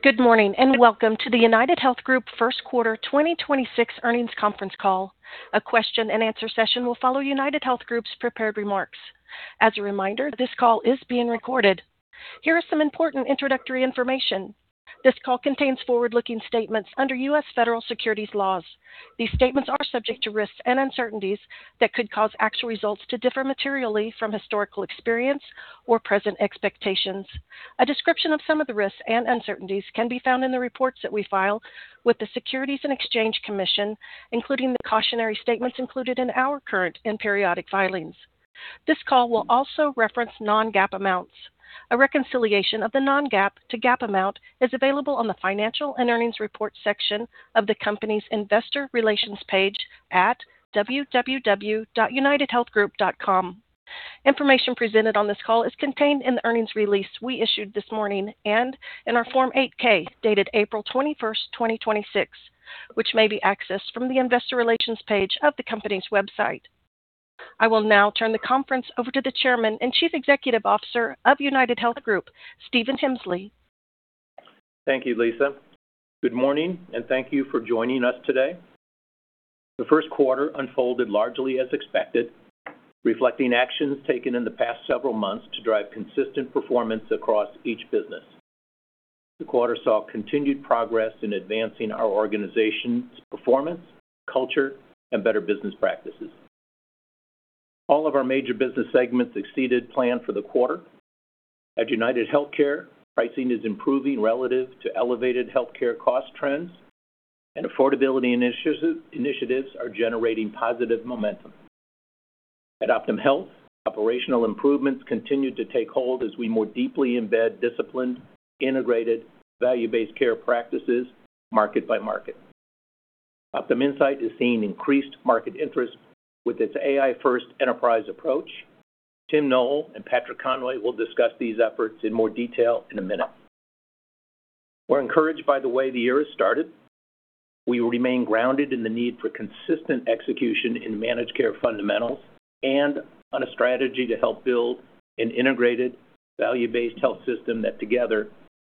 Good morning, and welcome to the UnitedHealth Group first quarter 2026 earnings conference call. A question-and-answer session will follow UnitedHealth Group's prepared remarks. As a reminder, this call is being recorded. Here are some important introductory information. This call contains forward-looking statements under U.S. federal securities laws. These statements are subject to risks and uncertainties that could cause actual results to differ materially from historical experience or present expectations. A description of some of the risks and uncertainties can be found in the reports that we file with the Securities and Exchange Commission, including the cautionary statements included in our current and periodic filings. This call will also reference non-GAAP amounts. A reconciliation of the non-GAAP to GAAP amount is available on the financial and earnings report section of the company's investor relations page at www.unitedhealthgroup.com. Information presented on this call is contained in the earnings release we issued this morning and in our Form 8-K, dated April 21st, 2026, which may be accessed from the investor relations page of the company's website. I will now turn the conference over to the Chairman and Chief Executive Officer of UnitedHealth Group, Stephen Hemsley. Thank you, Lisa. Good morning, and thank you for joining us today. The first quarter unfolded largely as expected, reflecting actions taken in the past several months to drive consistent performance across each business. The quarter saw continued progress in advancing our organization's performance, culture, and better business practices. All of our major business segments exceeded plan for the quarter. At UnitedHealthcare, pricing is improving relative to elevated healthcare cost trends and affordability initiatives are generating positive momentum. At Optum Health, operational improvements continued to take hold as we more deeply embed disciplined, integrated, value-based care practices market by market. Optum Insight is seeing increased market interest with its AI-first enterprise approach. Tim Noel and Patrick Conway will discuss these efforts in more detail in a minute. We're encouraged by the way the year has started. We will remain grounded in the need for consistent execution in managed care fundamentals and on a strategy to help build an integrated value-based health system that together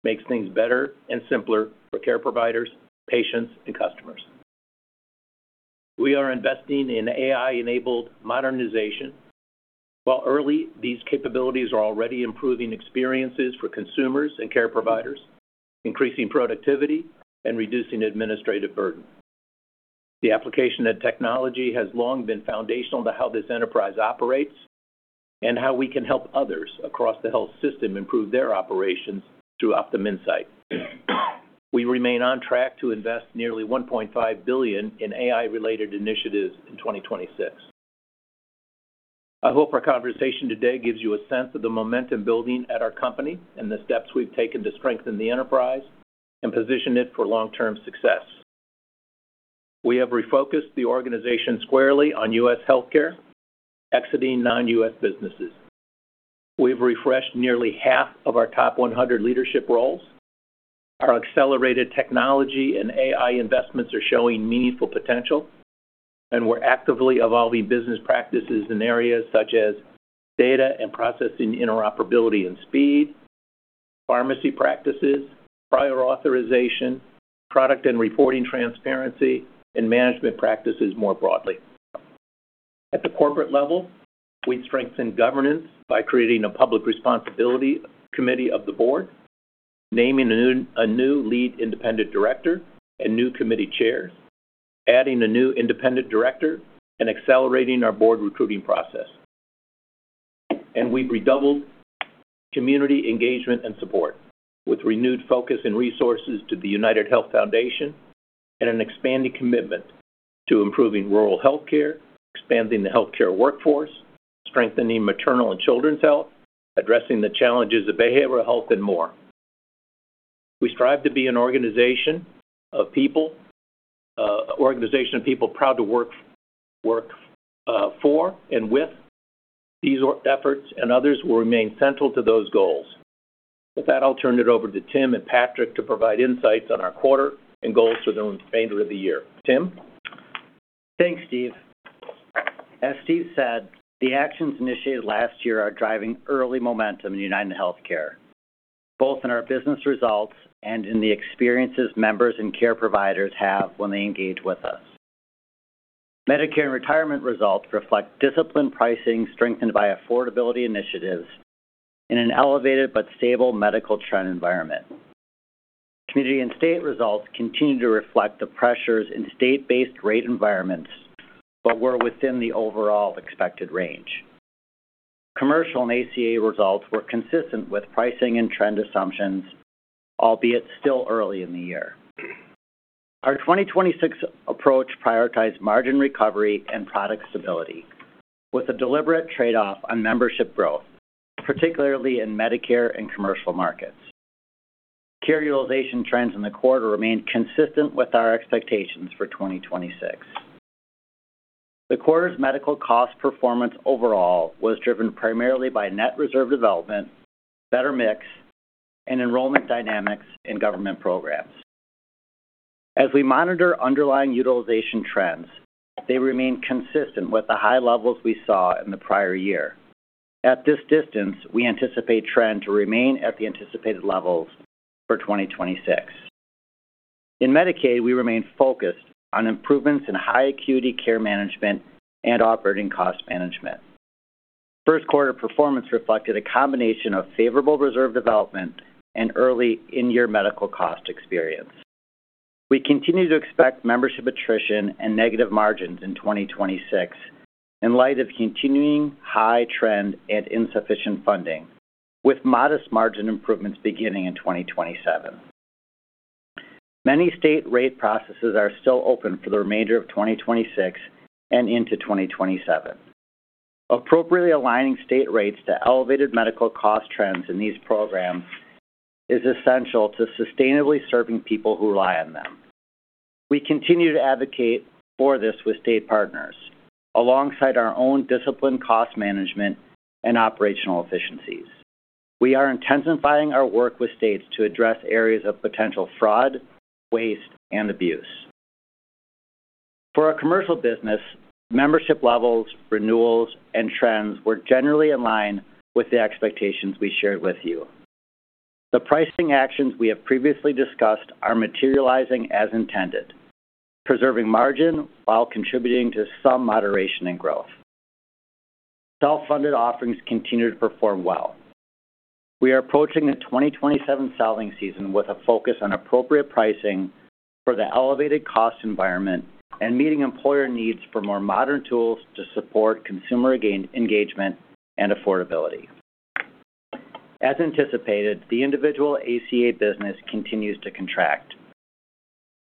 makes things better and simpler for care providers, patients, and customers. We are investing in AI-enabled modernization. While early, these capabilities are already improving experiences for consumers and care providers, increasing productivity and reducing administrative burden. The application of technology has long been foundational to how this enterprise operates and how we can help others across the health system improve their operations through Optum Insight. We remain on track to invest nearly $1.5 billion in AI-related initiatives in 2026. I hope our conversation today gives you a sense of the momentum building at our company and the steps we've taken to strengthen the enterprise and position it for long-term success. We have refocused the organization squarely on U.S. healthcare, exiting non-U.S. businesses. We've refreshed nearly half of our top 100 leadership roles. Our accelerated technology and AI investments are showing meaningful potential, and we're actively evolving business practices in areas such as data and processing interoperability and speed, pharmacy practices, prior authorization, product and reporting transparency, and management practices more broadly. At the corporate level, we strengthened governance by creating a public responsibility committee of the Board, naming a new lead independent director and new committee chairs, adding a new independent director, and accelerating our Board recruiting process. We've redoubled community engagement and support with renewed focus and resources to the United Health Foundation and an expanded commitment to improving rural healthcare, expanding the healthcare workforce, strengthening maternal and children's health, addressing the challenges of behavioral health, and more. We strive to be an organization of people proud to work for and with. These efforts and others will remain central to those goals. With that, I'll turn it over to Tim and Patrick to provide insights on our quarter and goals for the remainder of the year. Tim? Thanks, Steve. As Steve said, the actions initiated last year are driving early momentum in UnitedHealthcare, both in our business results and in the experiences members and care providers have when they engage with us. Medicare and retirement results reflect disciplined pricing strengthened by affordability initiatives in an elevated but stable medical trend environment. Community and state results continue to reflect the pressures in state-based rate environments but were within the overall expected range. Commercial and ACA results were consistent with pricing and trend assumptions, albeit still early in the year. Our 2026 approach prioritized margin recovery and product stability with a deliberate trade-off on membership growth, particularly in Medicare and commercial markets. Care utilization trends in the quarter remained consistent with our expectations for 2026. The quarter's medical cost performance overall was driven primarily by net reserve development, better mix, and enrollment dynamics in government programs. As we monitor underlying utilization trends, they remain consistent with the high levels we saw in the prior year. At this distance, we anticipate trend to remain at the anticipated levels for 2026. In Medicaid, we remain focused on improvements in high acuity care management and operating cost management. First quarter performance reflected a combination of favorable reserve development and early in-year medical cost experience. We continue to expect membership attrition and negative margins in 2026, in light of continuing high trend and insufficient funding, with modest margin improvements beginning in 2027. Many state rate processes are still open for the remainder of 2026 and into 2027. Appropriately aligning state rates to elevated medical cost trends in these programs is essential to sustainably serving people who rely on them. We continue to advocate for this with state partners, alongside our own disciplined cost management and operational efficiencies. We are intensifying our work with states to address areas of potential fraud, waste, and abuse. For our commercial business, membership levels, renewals, and trends were generally in line with the expectations we shared with you. The pricing actions we have previously discussed are materializing as intended, preserving margin while contributing to some moderation and growth. Self-funded offerings continue to perform well. We are approaching the 2027 selling season with a focus on appropriate pricing for the elevated cost environment and meeting employer needs for more modern tools to support consumer engagement and affordability. As anticipated, the individual ACA business continues to contract.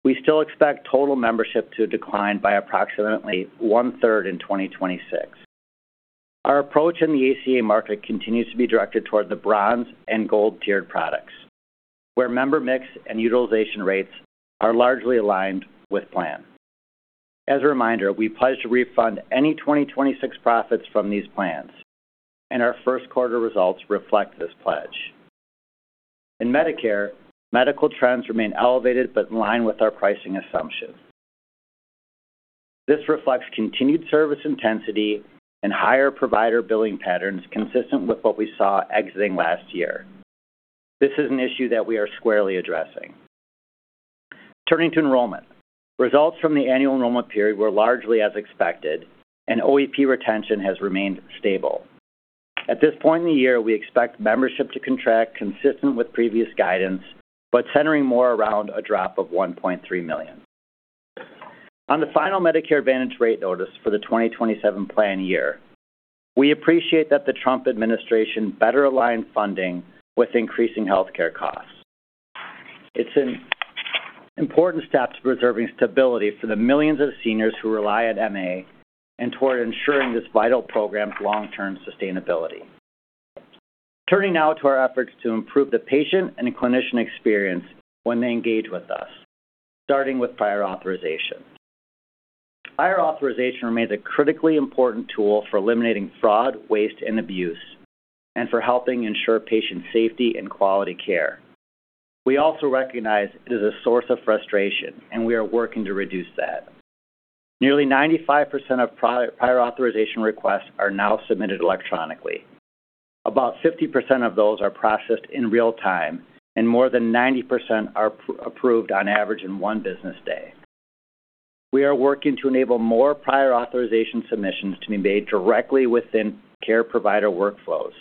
We still expect total membership to decline by approximately 1/3 in 2026. Our approach in the ACA market continues to be directed toward the bronze and gold-tiered products, where member mix and utilization rates are largely aligned with plan. As a reminder, we pledge to refund any 2026 profits from these plans, and our first quarter results reflect this pledge. In Medicare, medical trends remain elevated, but in line with our pricing assumption. This reflects continued service intensity and higher provider billing patterns consistent with what we saw exiting last year. This is an issue that we are squarely addressing. Turning to enrollment. Results from the annual enrollment period were largely as expected, and OEP retention has remained stable. At this point in the year, we expect membership to contract consistent with previous guidance, but centering more around a drop of 1.3 million. On the final Medicare Advantage rate notice for the 2027 plan year, we appreciate that the Trump administration better aligned funding with increasing healthcare costs. It's an important step to preserving stability for the millions of seniors who rely on MA and toward ensuring this vital program's long-term sustainability. Turning now to our efforts to improve the patient and clinician experience when they engage with us, starting with prior authorization. Prior authorization remains a critically important tool for eliminating fraud, waste, and abuse, and for helping ensure patient safety and quality care. We also recognize it is a source of frustration, and we are working to reduce that. Nearly 95% of prior authorization requests are now submitted electronically. About 50% of those are processed in real time, and more than 90% are approved on average in one business day. We are working to enable more prior authorization submissions to be made directly within care provider workflows,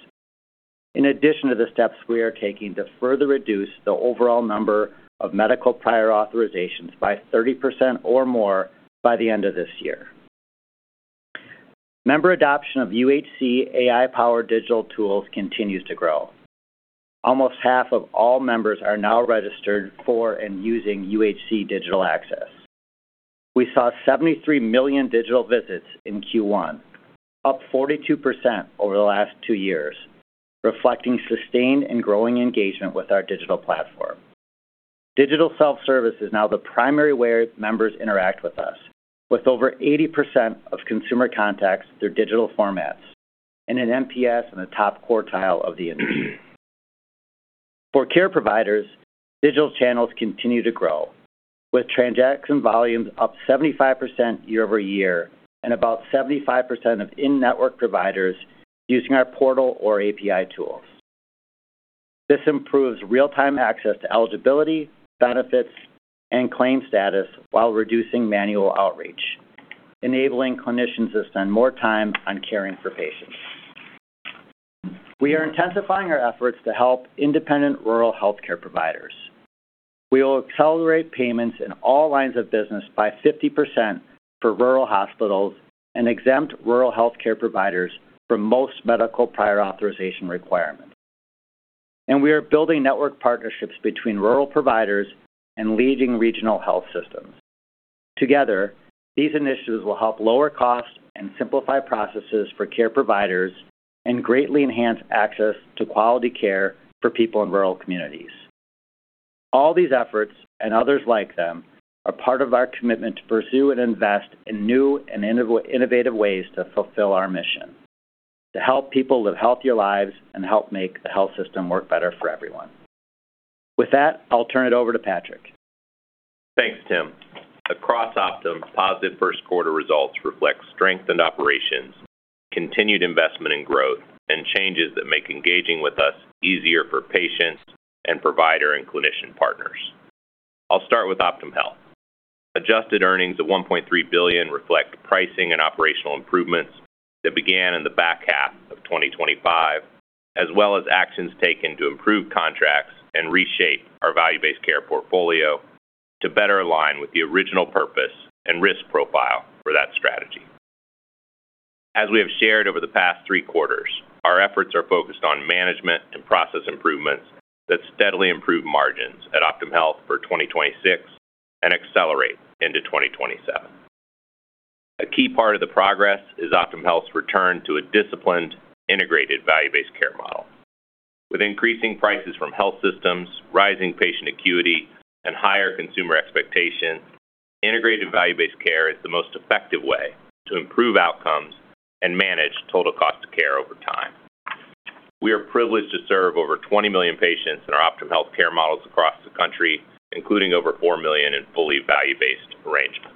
in addition to the steps we are taking to further reduce the overall number of medical prior authorizations by 30% or more by the end of this year. Member adoption of UHC AI-powered digital tools continues to grow. Almost half of all members are now registered for and using UHC Digital Access. We saw 73 million digital visits in Q1, up 42% over the last two years, reflecting sustained and growing engagement with our digital platform. Digital self-service is now the primary way members interact with us, with over 80% of consumer contacts through digital formats and an NPS in the top quartile of the industry. For care providers, digital channels continue to grow, with transaction volumes up 75% year-over-year and about 75% of in-network providers using our portal or API tools. This improves real-time access to eligibility, benefits, and claim status while reducing manual outreach, enabling clinicians to spend more time on caring for patients. We are intensifying our efforts to help independent rural healthcare providers. We will accelerate payments in all lines of business by 50% for rural hospitals and exempt rural healthcare providers for most medical prior authorization requirements. We are building network partnerships between rural providers and leading regional health systems. Together, these initiatives will help lower costs and simplify processes for care providers and greatly enhance access to quality care for people in rural communities. All these efforts, and others like them, are part of our commitment to pursue and invest in new and innovative ways to fulfill our mission. To help people live healthier lives and help make the health system work better for everyone. With that, I'll turn it over to Patrick. Thanks, Tim. Across Optum, positive first quarter results reflect strengthened operations, continued investment in growth, and changes that make engaging with us easier for patients and provider and clinician partners. I'll start with Optum Health. Adjusted earnings of $1.3 billion reflect pricing and operational improvements that began in the back half of 2025, as well as actions taken to improve contracts and reshape our value-based care portfolio to better align with the original purpose and risk profile for that strategy. As we have shared over the past three quarters, our efforts are focused on management and process improvements that steadily improve margins at Optum Health for 2026 and accelerate into 2027. A key part of the progress is Optum Health's return to a disciplined, integrated value-based care model. With increasing prices from health systems, rising patient acuity, and higher consumer expectation, integrated value-based care is the most effective way to improve outcomes and manage total cost of care over time. We are privileged to serve over 20 million patients in our Optum Health care models across the country, including over 4 million in fully value-based arrangements.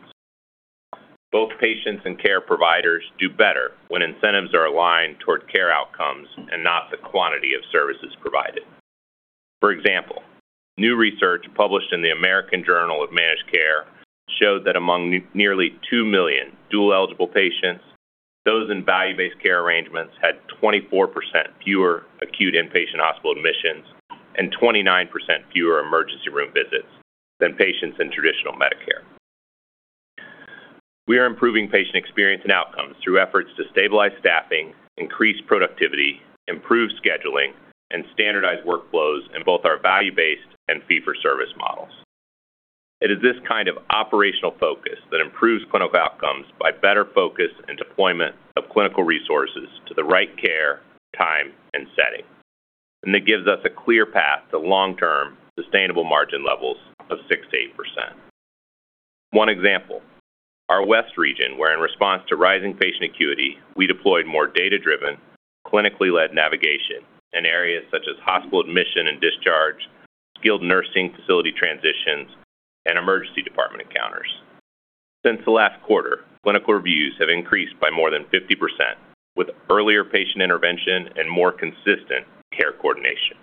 Both patients and care providers do better when incentives are aligned towards care outcomes and not the quantity of services provided. For example, new research published in The American Journal of Managed Care showed that among nearly 2 million dual-eligible patients, those in value-based care arrangements had 24% fewer acute inpatient hospital admissions and 29% fewer emergency room visits than patients in traditional Medicare. We are improving patient experience and outcomes through efforts to stabilize staffing, increase productivity, improve scheduling, and standardize workflows in both our value-based and fee-for-service models. It is this kind of operational focus that improves clinical outcomes by better focus and deployment of clinical resources to the right care, time, and setting, and that gives us a clear path to long-term sustainable margin levels of 6%-8%. One example, our West region, where in response to rising patient acuity, we deployed more data-driven, clinically-led navigation in areas such as hospital admission and discharge, skilled nursing facility transitions, and emergency department encounters. Since the last quarter, clinical reviews have increased by more than 50%, with earlier patient intervention and more consistent care coordination.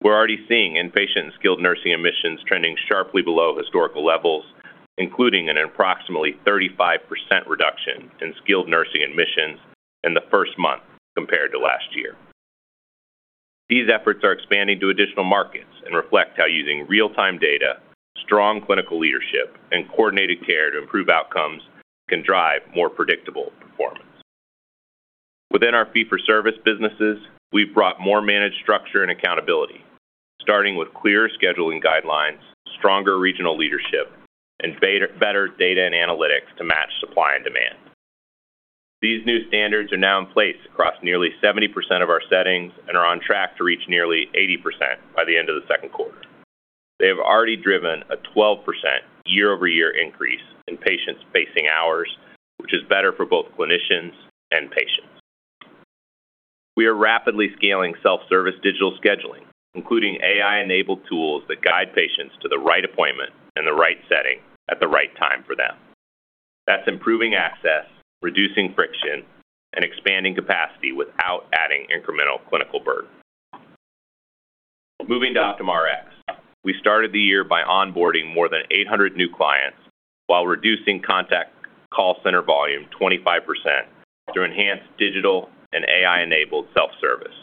We're already seeing inpatient skilled nursing admissions trending sharply below historical levels, including an approximately 35% reduction in skilled nursing admissions in the first month compared to last year. These efforts are expanding to additional markets and reflect how using real-time data, strong clinical leadership, and coordinated care to improve outcomes can drive more predictable performance. Within our fee-for-service businesses, we've brought more managed structure and accountability, starting with clearer scheduling guidelines, stronger regional leadership, and better data and analytics to match supply and demand. These new standards are now in place across nearly 70% of our settings and are on track to reach nearly 80% by the end of the second quarter. They have already driven a 12% year-over-year increase in patient-facing hours, which is better for both clinicians and patients. We are rapidly scaling self-service digital scheduling, including AI-enabled tools that guide patients to the right appointment in the right setting at the right time for them. That's improving access, reducing friction, and expanding capacity without adding incremental clinical burden. Moving to Optum Rx, we started the year by onboarding more than 800 new clients while reducing contact call center volume 25% through enhanced digital and AI-enabled self-service,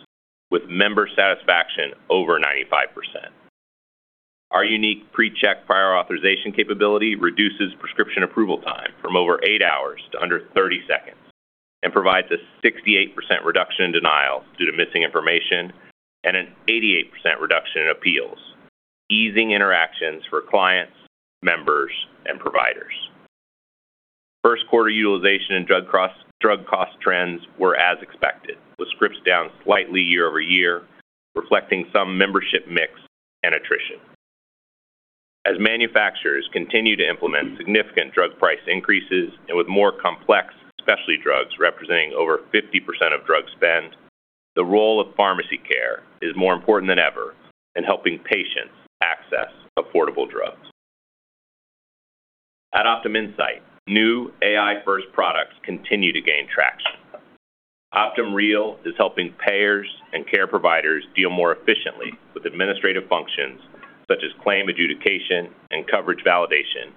with member satisfaction over 95%. Our unique PreCheck Prior Authorization capability reduces prescription approval time from over eight hours to under 30 seconds and provides a 68% reduction in denials due to missing information and an 88% reduction in appeals, easing interactions for clients, members, and providers. First quarter utilization and drug cost trends were as expected, with scripts down slightly year-over-year, reflecting some membership mix and attrition. As manufacturers continue to implement significant drug price increases and with more complex, specialty drugs representing over 50% of drug spend, the role of pharmacy care is more important than ever in helping patients access affordable drugs. At Optum Insight, new AI-first products continue to gain traction. Optum Real is helping payers and care providers deal more efficiently with administrative functions such as claim adjudication and coverage validation,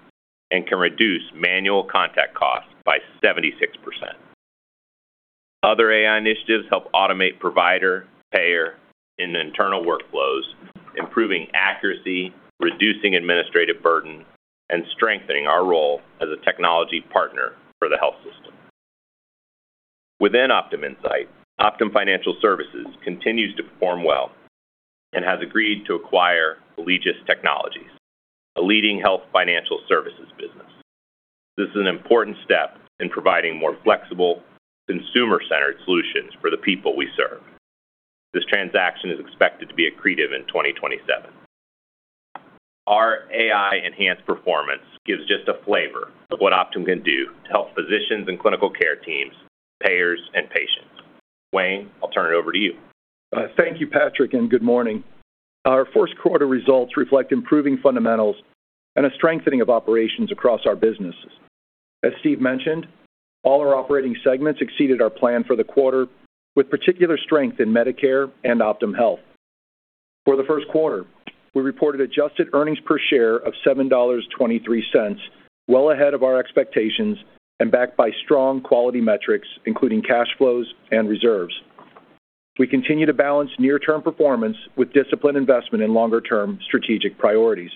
and can reduce manual contact costs by 76%. Other AI initiatives help automate provider, payer, and internal workflows, improving accuracy, reducing administrative burden, and strengthening our role as a technology partner for the health system. Within Optum Insight, Optum Financial Services continues to perform well and has agreed to acquire Allegis Technologies, a leading health financial services business. This is an important step in providing more flexible, consumer-centered solutions for the people we serve. This transaction is expected to be accretive in 2027. Our AI-enhanced performance gives just a flavor of what Optum can do to help physicians and clinical care teams, payers, and patients. Wayne, I'll turn it over to you. Thank you, Patrick, and good morning. Our first quarter results reflect improving fundamentals and a strengthening of operations across our businesses. As Steve mentioned, all our operating segments exceeded our plan for the quarter, with particular strength in Medicare and Optum Health. For the first quarter, we reported adjusted earnings per share of $7.23, well ahead of our expectations and backed by strong quality metrics, including cash flows and reserves. We continue to balance near-term performance with disciplined investment in longer-term strategic priorities.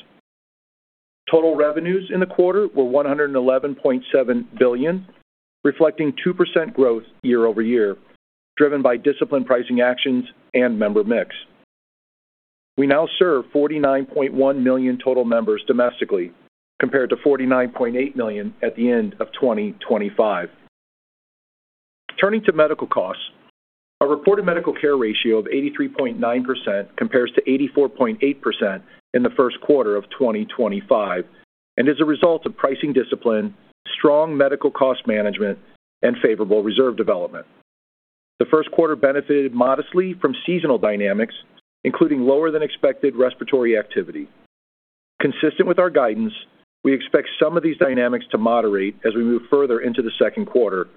Total revenues in the quarter were $111.7 billion, reflecting 2% growth year-over-year, driven by disciplined pricing actions and member mix. We now serve 49.1 million total members domestically, compared to 49.8 million at the end of 2025. Turning to medical costs, our reported medical care ratio of 83.9% compares to 84.8% in the first quarter of 2025 and is a result of pricing discipline, strong medical cost management, and favorable reserve development. The first quarter benefited modestly from seasonal dynamics, including lower-than-expected respiratory activity. Consistent with our guidance, we expect some of these dynamics to moderate as we move further into the second quarter,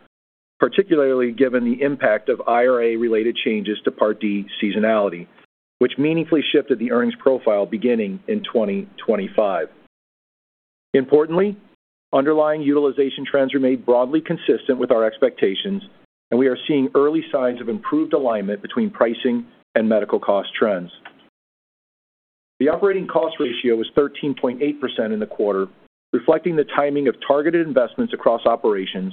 particularly given the impact of IRA-related changes to Part D seasonality, which meaningfully shifted the earnings profile beginning in 2025. Importantly, underlying utilization trends remained broadly consistent with our expectations, and we are seeing early signs of improved alignment between pricing and medical cost trends. The operating cost ratio was 13.8% in the quarter, reflecting the timing of targeted investments across operations,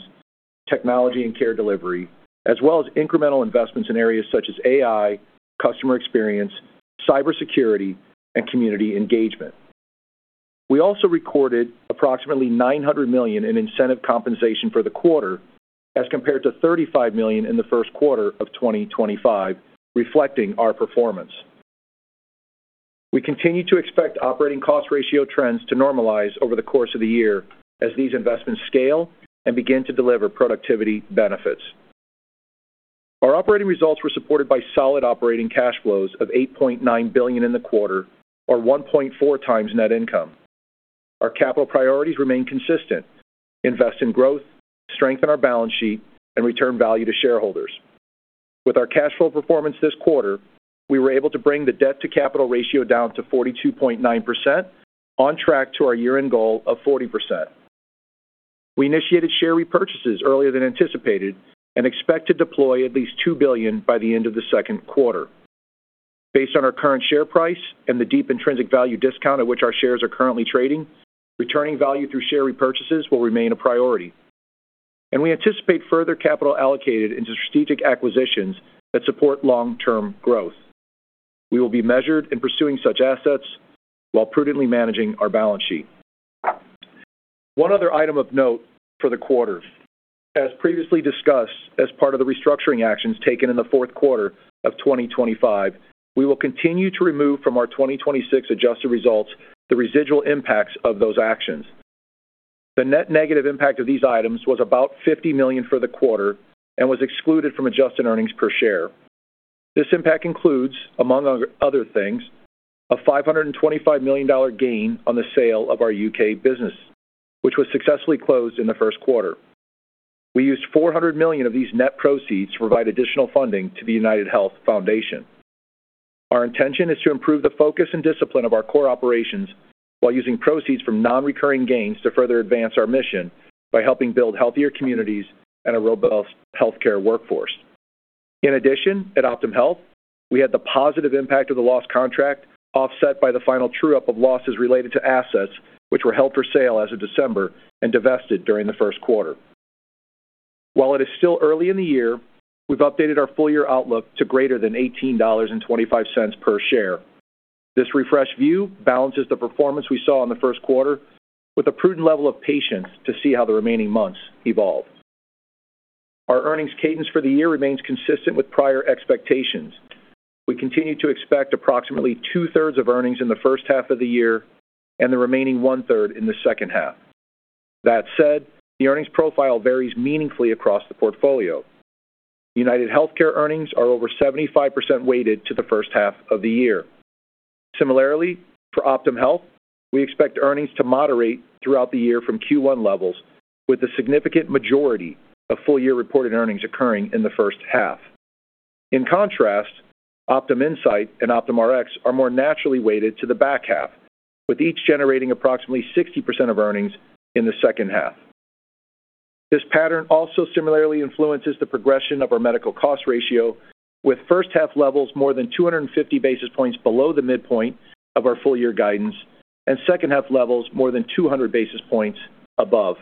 technology, and care delivery, as well as incremental investments in areas such as AI, customer experience, cybersecurity, and community engagement. We also recorded approximately $900 million in incentive compensation for the quarter as compared to $35 million in the first quarter of 2025, reflecting our performance. We continue to expect operating cost ratio trends to normalize over the course of the year as these investments scale and begin to deliver productivity benefits. Our operating results were supported by solid operating cash flows of $8.9 billion in the quarter or 1.4x net income. Our capital priorities remain consistent. Invest in growth, strengthen our balance sheet, and return value to shareholders. With our cash flow performance this quarter, we were able to bring the debt-to-capital ratio down to 42.9%, on track to our year-end goal of 40%. We initiated share repurchases earlier than anticipated and expect to deploy at least $2 billion by the end of the second quarter. Based on our current share price and the deep intrinsic value discount at which our shares are currently trading, returning value through share repurchases will remain a priority. We anticipate further capital allocated into strategic acquisitions that support long-term growth. We will be measured in pursuing such assets while prudently managing our balance sheet. One other item of note for the quarter. As previously discussed, as part of the restructuring actions taken in the fourth quarter of 2025, we will continue to remove from our 2026 adjusted results the residual impacts of those actions. The net negative impact of these items was about $50 million for the quarter and was excluded from adjusted earnings per share. This impact includes, among other things, a $525 million gain on the sale of our U.K. business, which was successfully closed in the first quarter. We used $400 million of these net proceeds to provide additional funding to the United Health Foundation. Our intention is to improve the focus and discipline of our core operations while using proceeds from non-recurring gains to further advance our mission by helping build healthier communities and a robust healthcare workforce. In addition, at Optum Health, we had the positive impact of the loss contract offset by the final true-up of losses related to assets which were held for sale as of December and divested during the first quarter. While it is still early in the year, we've updated our full-year outlook to greater than $18.25 per share. This refreshed view balances the performance we saw in the first quarter with a prudent level of patience to see how the remaining months evolve. Our earnings cadence for the year remains consistent with prior expectations. We continue to expect approximately 2/3 of earnings in the first half of the year and the remaining 1/3 in the second half. That said, the earnings profile varies meaningfully across the portfolio. UnitedHealthcare earnings are over 75% weighted to the first half of the year. Similarly, for Optum Health, we expect earnings to moderate throughout the year from Q1 levels, with the significant majority of full-year reported earnings occurring in the first half. In contrast, Optum Insight and Optum Rx are more naturally weighted to the back half, with each generating approximately 60% of earnings in the second half. This pattern also similarly influences the progression of our medical cost ratio, with first-half levels more than 250 basis points below the midpoint of our full-year guidance and second-half levels more than 200 basis points above.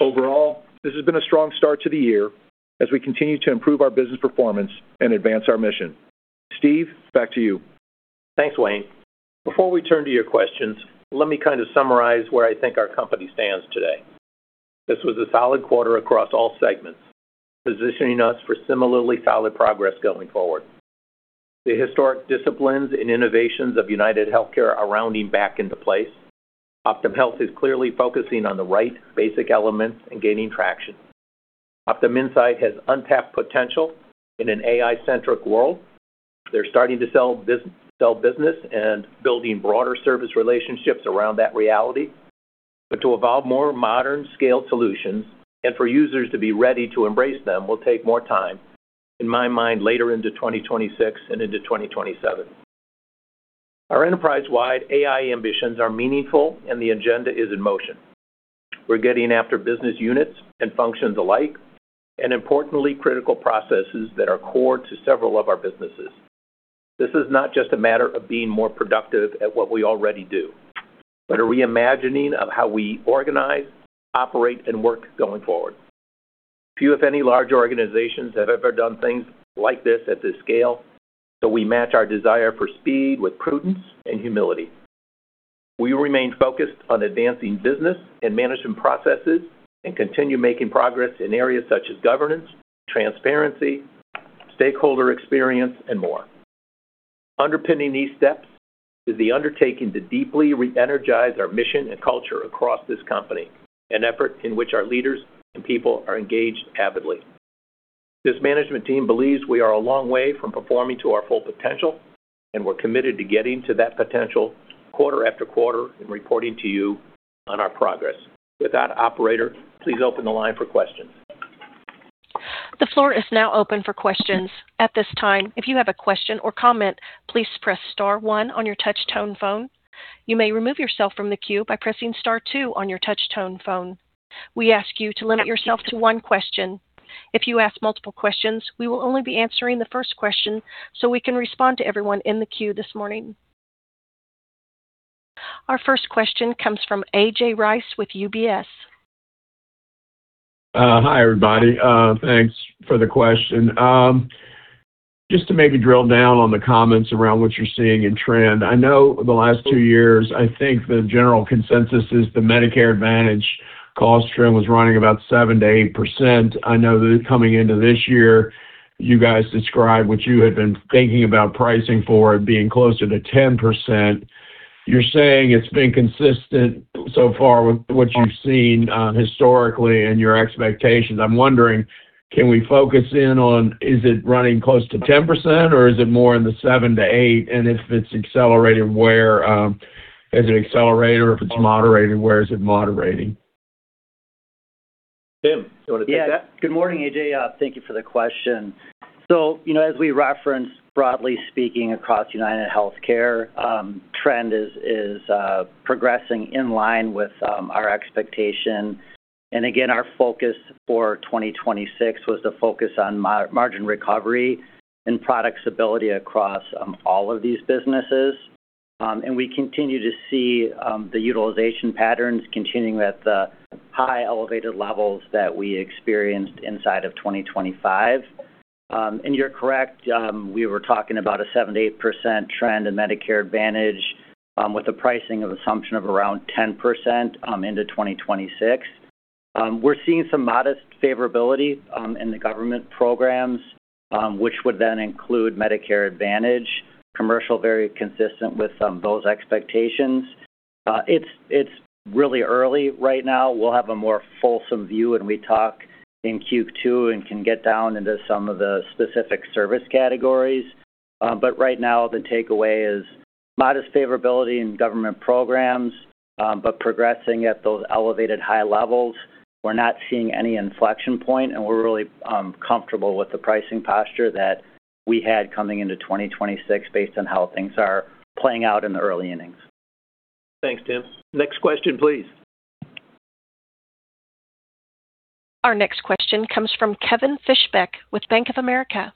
Overall, this has been a strong start to the year as we continue to improve our business performance and advance our mission. Steve, back to you. Thanks, Wayne. Before we turn to your questions, let me kind of summarize where I think our company stands today. This was a solid quarter across all segments, positioning us for similarly solid progress going forward. The historic disciplines and innovations of UnitedHealthcare are rounding back into place. Optum Health is clearly focusing on the right basic elements and gaining traction. Optum Insight has untapped potential in an AI-centric world. They're starting to sell business and building broader service relationships around that reality. To evolve more modern scale solutions and for users to be ready to embrace them will take more time, in my mind, later into 2026 and into 2027. Our enterprise-wide AI ambitions are meaningful, and the agenda is in motion. We're getting after business units and functions alike, and importantly, critical processes that are core to several of our businesses. This is not just a matter of being more productive at what we already do, but a reimagining of how we organize, operate, and work going forward. Few, if any, large organizations have ever done things like this at this scale, so we match our desire for speed with prudence and humility. We remain focused on advancing business and management processes and continue making progress in areas such as governance, transparency, stakeholder experience, and more. Underpinning these steps is the undertaking to deeply reenergize our mission and culture across this company, an effort in which our leaders and people are engaged avidly. This management team believes we are a long way from performing to our full potential, and we're committed to getting to that potential quarter after quarter and reporting to you on our progress. With that, operator, please open the line for questions. The floor is now open for questions. At this time, if you have a question or comment, please press star one on your touch-tone phone. You may remove yourself from the queue by pressing star two on your touch-tone phone. We ask you to limit yourself to one question. If you ask multiple questions, we will only be answering the first question so we can respond to everyone in the queue this morning. Our first question comes from A.J. Rice with UBS. Hi, everybody. Thanks for the question. Just to maybe drill down on the comments around what you're seeing in trend. I know the last two years, I think the general consensus is the Medicare Advantage cost trend was running about 7%-8%. I know that coming into this year, you guys described what you had been thinking about pricing for it being closer to 10%. You're saying it's been consistent so far with what you've seen historically and your expectations. I'm wondering, can we focus in on is it running close to 10% or is it more in the 7%-8%? If it's accelerated, where is it accelerated, or if it's moderated, where is it moderating? Tim, do you want to take that? Yes. Good morning, A.J. Thank you for the question. As we referenced, broadly speaking across UnitedHealthcare, trend is progressing in line with our expectation. Again, our focus for 2026 was the focus on margin recovery and product stability across all of these businesses. We continue to see the utilization patterns continuing at the high elevated levels that we experienced in 2025. You're correct, we were talking about a 7%-8% trend in Medicare Advantage, with the pricing assumption of around 10% into 2026. We're seeing some modest favorability in the government programs, which would then include Medicare Advantage. Commercial, very consistent with those expectations. It's really early right now. We'll have a more fulsome view when we talk in Q2 and can get down into some of the specific service categories. Right now, the takeaway is modest favorability in government programs, but progressing at those elevated high levels. We're not seeing any inflection point, and we're really comfortable with the pricing posture that we had coming into 2026 based on how things are playing out in the early innings. Thanks, Tim. Next question, please. Our next question comes from Kevin Fischbeck with Bank of America.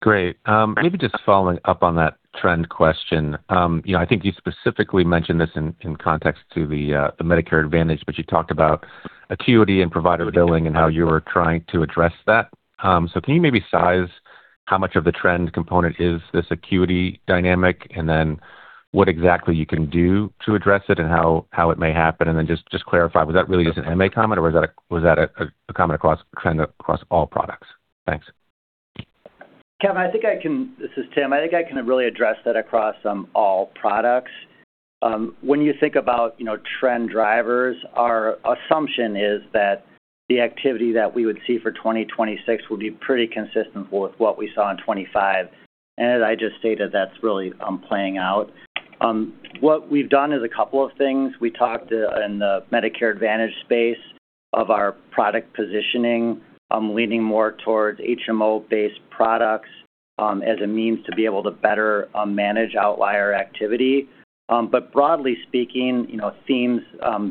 Great, maybe just following up on that trend question. I think you specifically mentioned this in context to the Medicare Advantage, but you talked about acuity and provider billing and how you are trying to address that. So can you maybe size how much of the trend component is this acuity dynamic, and then what exactly you can do to address it and how it may happen? And then just clarify, was that really just an MA comment or was that a comment across kind of across all products? Thanks. Kevin, this is Tim. I think I can really address that across all products. When you think about trend drivers, our assumption is that the activity that we would see for 2026 will be pretty consistent with what we saw in 2025. As I just stated, that's really playing out. What we've done is a couple of things. We talked in the Medicare Advantage space of our product positioning, leaning more towards HMO-based products as a means to be able to better manage outlier activity. Broadly speaking, themes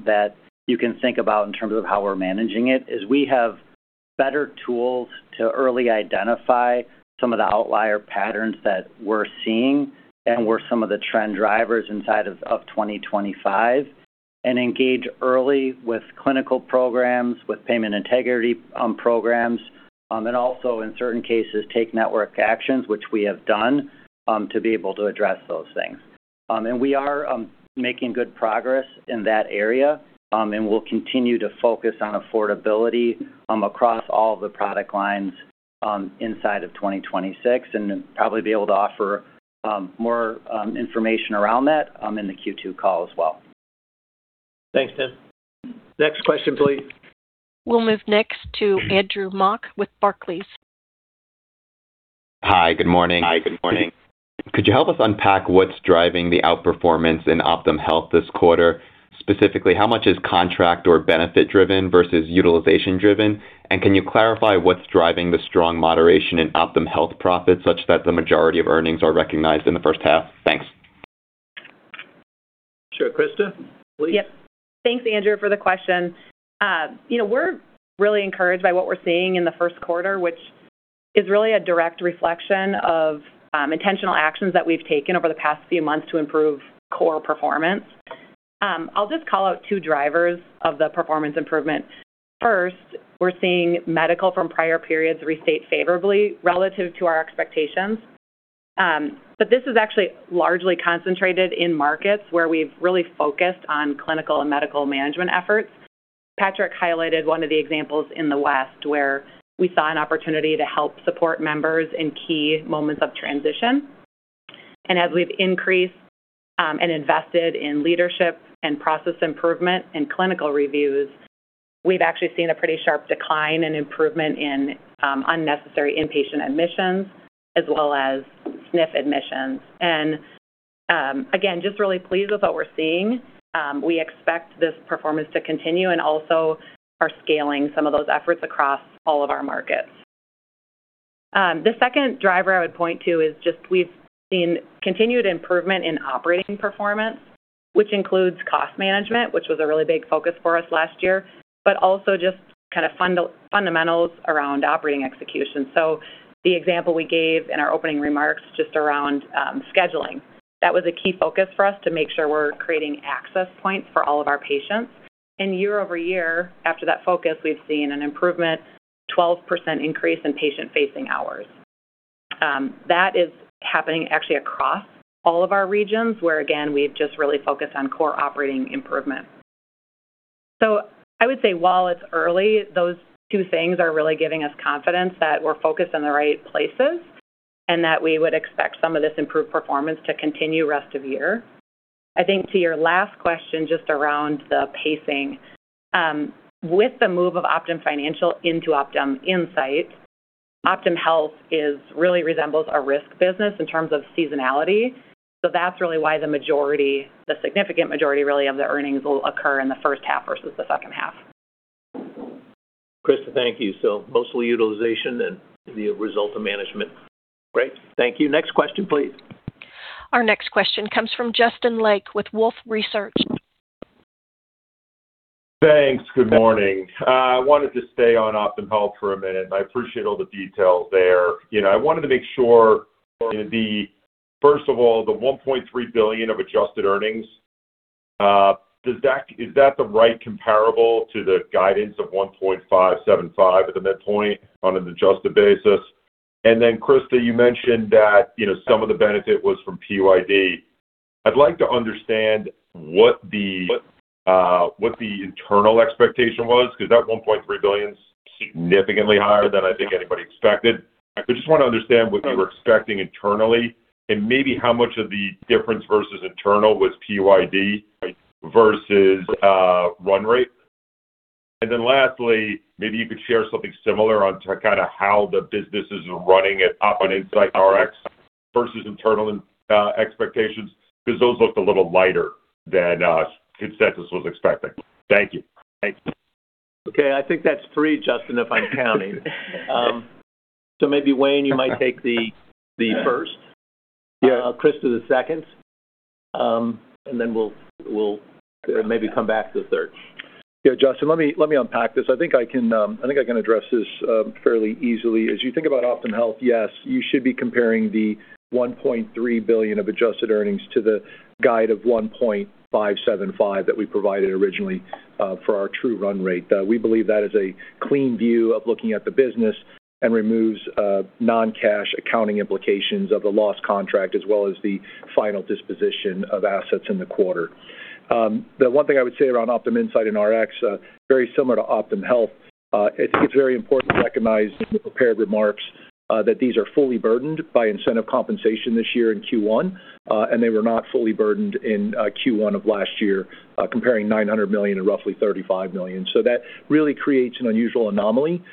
that you can think about in terms of how we're managing it is we have better tools to early identify some of the outlier patterns that we're seeing and where some of the trend drivers inside of 2025 and engage early with clinical programs, with payment integrity programs. Also, in certain cases, take network actions, which we have done, to be able to address those things. We are making good progress in that area, and we'll continue to focus on affordability across all the product lines inside of 2026, and then probably be able to offer more information around that in the Q2 call as well. Thanks, Tim. Next question, please. We'll move next to Andrew Mok with Barclays. Hi, good morning. Could you help us unpack what's driving the outperformance in Optum Health this quarter? Specifically, how much is contract or benefit driven versus utilization driven? And can you clarify what's driving the strong moderation in Optum Health profits such that the majority of earnings are recognized in the first half? Thanks. Sure. Krista, please. Yep. Thanks, Andrew, for the question. We're really encouraged by what we're seeing in the first quarter, which is really a direct reflection of intentional actions that we've taken over the past few months to improve core performance. I'll just call out two drivers of the performance improvement. First, we're seeing medical from prior periods restate favorably relative to our expectations. This is actually largely concentrated in markets where we've really focused on clinical and medical management efforts. Patrick highlighted one of the examples in the West, where we saw an opportunity to help support members in key moments of transition. As we've increased and invested in leadership and process improvement in clinical reviews, we've actually seen a pretty sharp decline and improvement in unnecessary inpatient admissions as well as SNF admissions. Again, just really pleased with what we're seeing. We expect this performance to continue and also are scaling some of those efforts across all of our markets. The second driver I would point to is just we've seen continued improvement in operating performance, which includes cost management, which was a really big focus for us last year, but also just kind of fundamentals around operating execution. The example we gave in our opening remarks just around scheduling. That was a key focus for us to make sure we're creating access points for all of our patients. Year-over-year, after that focus, we've seen an improvement, 12% increase in patient-facing hours. That is happening actually across all of our regions, where again, we've just really focused on core operating improvement. I would say while it's early, those two things are really giving us confidence that we're focused in the right places, and that we would expect some of this improved performance to continue rest of year. I think to your last question just around the pacing. With the move of Optum Financial into Optum Insight, Optum Health really resembles a risk business in terms of seasonality. That's really why the majority, the significant majority, really, of the earnings will occur in the first half versus the second half. Krista, thank you. Mostly utilization and the result of management. Great, thank you. Next question, please. Our next question comes from Justin Lake with Wolfe Research. Thanks, good morning. I wanted to stay on Optum Health for a minute. I appreciate all the details there. I wanted to make sure, first of all, that the $1.3 billion of adjusted earnings is the right comparable to the guidance of $1.575 billion at the midpoint on an adjusted basis? Krista, you mentioned that some of the benefit was from PYD. I'd like to understand what the internal expectation was, because that $1.3 billion is significantly higher than I think anybody expected. I just want to understand what you were expecting internally and maybe how much of the difference versus internal was PYD versus run rate. Lastly, maybe you could share something similar on kind of how the business is running at Optum Insight, Optum Rx versus internal expectations, because those looked a little lighter than consensus was expecting. Thank you. Okay. I think that's three, Justin, if I'm counting. Maybe Wayne, you might take the first. Yeah. Krista, the second. Then we'll maybe come back to the third. Yeah, Justin, let me unpack this. I think I can address this fairly easily. As you think about Optum Health, yes, you should be comparing the $1.3 billion of adjusted earnings to the guide of $1.575 billion that we provided originally for our true run rate. We believe that is a clean view of looking at the business and removes non-cash accounting implications of the loss contract, as well as the final disposition of assets in the quarter. The one thing I would say around Optum Insight and Rx, very similar to Optum Health. I think it's very important to recognize in the prepared remarks, that these are fully burdened by incentive compensation this year in Q1. They were not fully burdened in Q1 of last year, comparing $900 million to roughly $35 million that really creates an unusual anomaly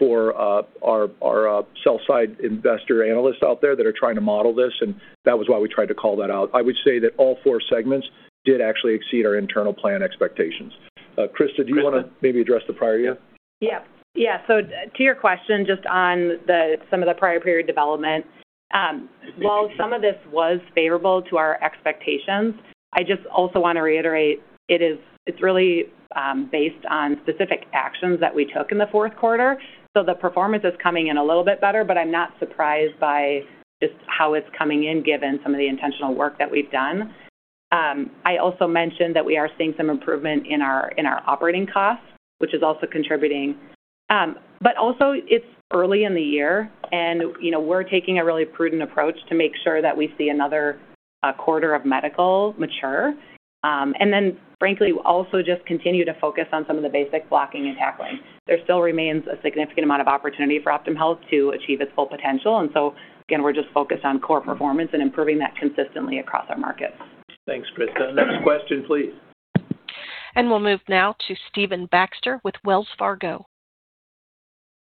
for our sell-side investor analysts out there that are trying to model this, and that was why we tried to call that out. I would say that all four segments did actually exceed our internal plan expectations. Krista, do you want to maybe address the prior year? Yeah. To your question, just on some of the prior period development. While some of this was favorable to our expectations, I just also want to reiterate it's really based on specific actions that we took in the fourth quarter. The performance is coming in a little bit better, but I'm not surprised by just how it's coming in given some of the intentional work that we've done. I also mentioned that we are seeing some improvement in our operating costs, which is also contributing. Also it's early in the year, and we're taking a really prudent approach to make sure that we see another quarter of medical mature. Then frankly, also just continue to focus on some of the basic blocking and tackling. There still remains a significant amount of opportunity for Optum Health to achieve its full potential, and so again, we're just focused on core performance and improving that consistently across our markets. Thanks, Krista. Next question, please. We'll move now to Stephen Baxter with Wells Fargo.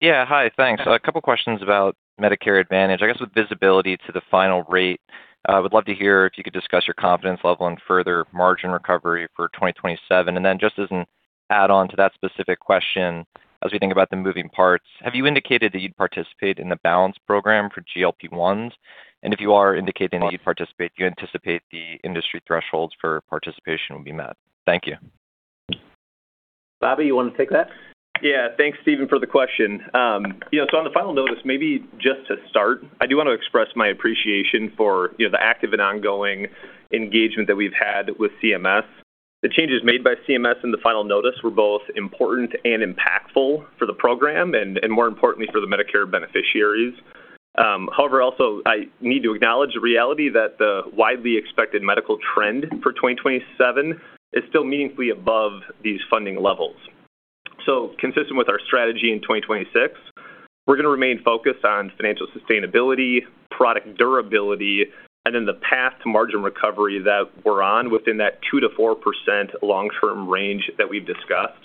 Yeah, hi. Thanks. A couple questions about Medicare Advantage. I guess with visibility to the final rate, I would love to hear if you could discuss your confidence level and further margin recovery for 2027. Just as an add-on to that specific question, as we think about the moving parts, have you indicated that you'd participate in the BALANCE Model for GLP-1s? And if you are indicating that you'd participate, do you anticipate the industry thresholds for participation will be met? Thank you. Bobby, you want to take that? Yeah. Thanks, Stephen, for the question. On the final notice, maybe just to start, I do want to express my appreciation for the active and ongoing engagement that we've had with CMS. The changes made by CMS in the final notice were both important and impactful for the program and more importantly, for the Medicare beneficiaries. However, also, I need to acknowledge the reality that the widely expected medical trend for 2027 is still meaningfully above these funding levels. Consistent with our strategy in 2026, we're going to remain focused on financial sustainability, product durability, and then the path to margin recovery that we're on within that 2%-4% long-term range that we've discussed.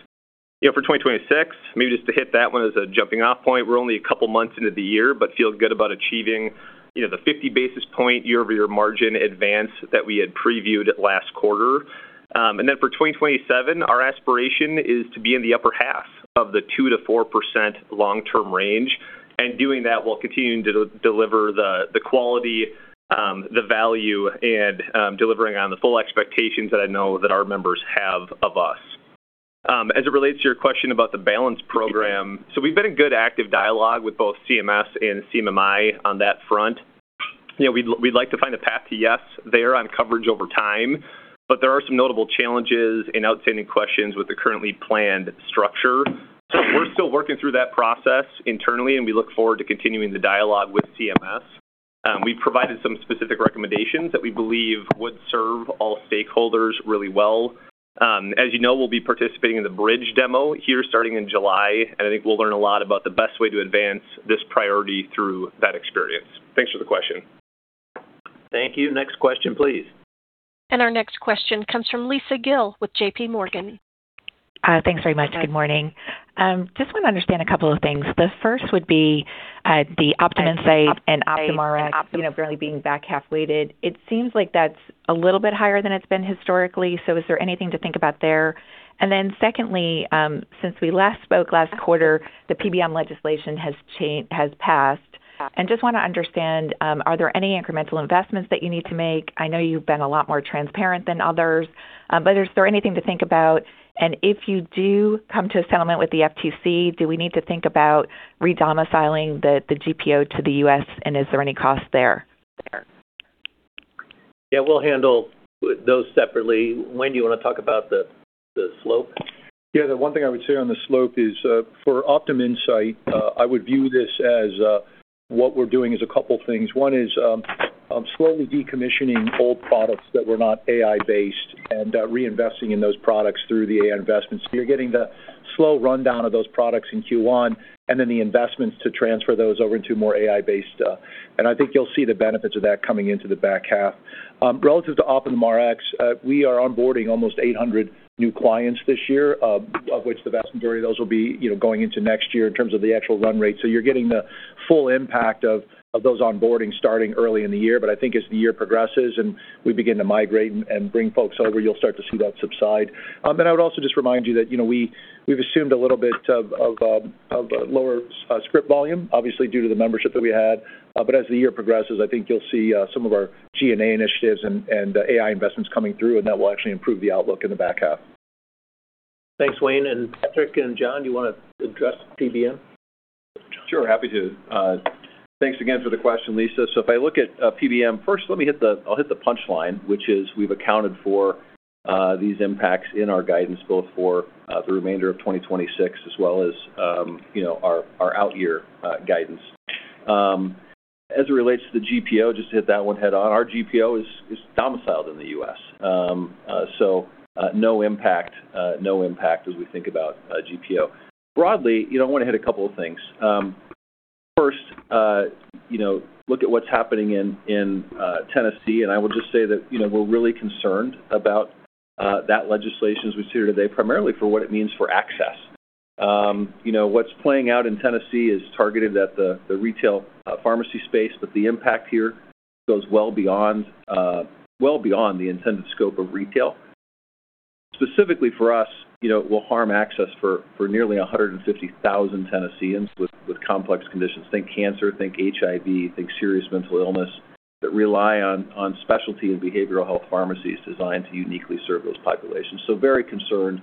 For 2026, maybe just to hit that one as a jumping off point, we're only a couple of months into the year, but feel good about achieving the 50 basis point year-over-year margin advance that we had previewed last quarter. For 2027, our aspiration is to be in the upper half of the 2%-4% long-term range, doing that while continuing to deliver the quality, the value, and delivering on the full expectations that I know that our members have of us. As it relates to your question about the BALANCE Model, we've been in good active dialogue with both CMS and CMMI on that front. We'd like to find a path to yes there on coverage over time, but there are some notable challenges and outstanding questions with the currently planned structure. We're still working through that process internally, and we look forward to continuing the dialogue with CMS. We've provided some specific recommendations that we believe would serve all stakeholders really well. As you know, we'll be participating in the bridge demo here starting in July, and I think we'll learn a lot about the best way to advance this priority through that experience. Thanks for the question. Thank you. Next question, please. Our next question comes from Lisa Gill with JPMorgan. Thanks very much. Good morning. Just want to understand a couple of things. The first would be the Optum Insight and Optum Rx currently being back half weighted. It seems like that's a little bit higher than it's been historically. Is there anything to think about there? Then secondly, since we last spoke last quarter, the PBM legislation has passed. Just want to understand, are there any incremental investments that you need to make? I know you've been a lot more transparent than others, but is there anything to think about? If you do come to a settlement with the FTC, do we need to think about re-domiciling the GPO to the U.S., and is there any cost there? Yeah, we'll handle those separately. Wayne, do you want to talk about the slope? Yeah. The one thing I would say on the slope is for Optum Insight, I would view this as what we're doing is a couple things. One is slowly decommissioning old products that were not AI-based and reinvesting in those products through the AI investments. You're getting the slow rundown of those products in Q1, and then the investments to transfer those over into more AI-based. I think you'll see the benefits of that coming into the back half. Relative to Optum Rx, we are onboarding almost 800 new clients this year, of which the vast majority of those will be going into next year in terms of the actual run rate. You're getting the full impact of those onboardings starting early in the year. I think as the year progresses and we begin to migrate and bring folks over, you'll start to see that subside. I would also just remind you that we've assumed a little bit of lower script volume, obviously, due to the membership that we had. As the year progresses, I think you'll see some of our G&A initiatives and AI investments coming through, and that will actually improve the outlook in the back half. Thanks, Wayne. Patrick and John, do you want to address PBM? Sure, happy to. Thanks again for the question, Lisa. If I look at PBM, first I'll hit the punchline, which is we've accounted for these impacts in our guidance both for the remainder of 2026 as well as our out year guidance. As it relates to the GPO, just to hit that one head on, our GPO is domiciled in the U.S., so no impact as we think about GPO. Broadly, I want to hit a couple of things. First look at what's happening in Tennessee, and I would just say that we're really concerned about that legislation as we sit here today, primarily for what it means for access. What's playing out in Tennessee is targeted at the retail pharmacy space, but the impact here goes well beyond the intended scope of retail. Specifically for us, it will harm access for nearly 150,000 Tennesseans with complex conditions, think cancer, think HIV, think serious mental illness, that rely on specialty and behavioral health pharmacies designed to uniquely serve those populations. Very concerned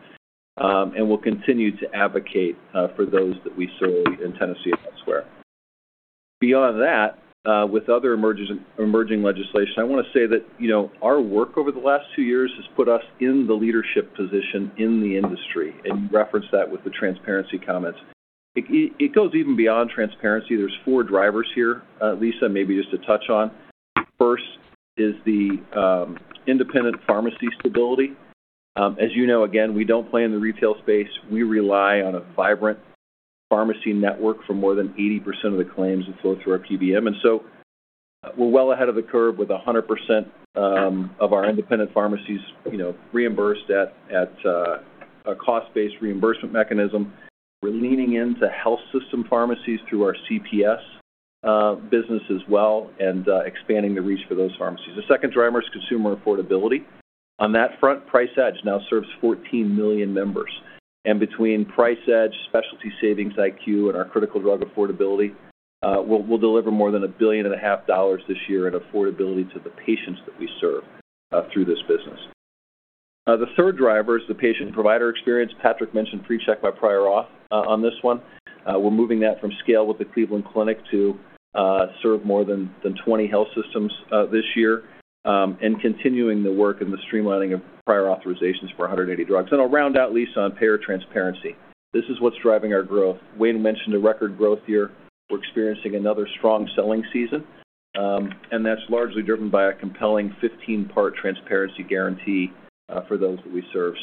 and will continue to advocate for those that we serve in Tennessee and elsewhere. Beyond that, with other emerging legislation, I want to say that our work over the last two years has put us in the leadership position in the industry, and you referenced that with the transparency comments. It goes even beyond transparency. There's four drivers here, Lisa, maybe just to touch on. First is the independent pharmacy stability. As you know, again, we don't play in the retail space. We rely on a vibrant pharmacy network for more than 80% of the claims that flow through our PBM. We're well ahead of the curve with 100% of our independent pharmacies reimbursed at a cost-based reimbursement mechanism. We're leaning into health system pharmacies through our CPS business as well and expanding the reach for those pharmacies. The second driver is consumer affordability. On that front, Price Edge now serves 14 million members. Between Price Edge, Optum Savings IQ, and our critical drug affordability, we'll deliver more than $1.5 billion this year in affordability to the patients that we serve through this business. The third driver is the patient provider experience. Patrick mentioned PreCheck Prior Authorization on this one. We're moving that from scale with the Cleveland Clinic to serve more than 20 health systems this year and continuing the work and the streamlining of prior authorizations for 180 drugs. I'll round out, Lisa, on payer transparency. This is what's driving our growth. Wayne mentioned a record growth year. We're experiencing another strong selling season, and that's largely driven by a compelling 15-part transparency guarantee for those that we serve.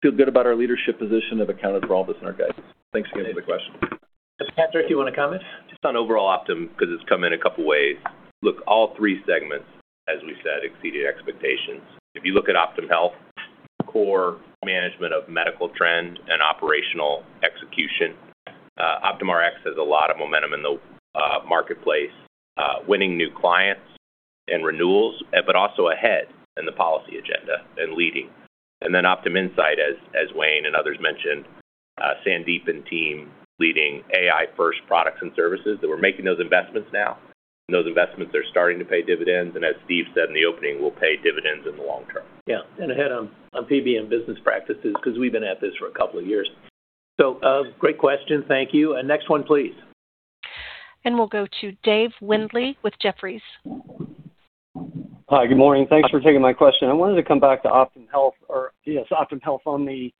Feel good about our leadership position, have accounted for all this in our guidance. Thanks again for the question. Patrick, do you want to comment? Just on overall Optum, because it's come in a couple of ways. Look, all three segments, as we said, exceeded expectations. If you look at Optum Health, core management of medical trends and operational execution. Optum Rx has a lot of momentum in the marketplace, winning new clients and renewals, but also ahead in the policy agenda and leading. Then Optum Insight, as Wayne and others mentioned, Sandeep and team leading AI first products and services. That we're making those investments now, and those investments are starting to pay dividends, and as Steve said in the opening, will pay dividends in the long term. Yeah. Ahead on PBM business practices, because we've been at this for a couple of years. Great question, thank you. Next one, please. We'll go to David Windley with Jefferies. Hi, good morning. Thanks for taking my question. I wanted to come back to Optum Health on the